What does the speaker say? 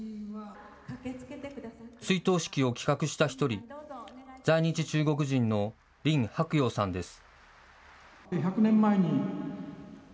追悼式を企画した１人、在日中国人の林伯耀さんです。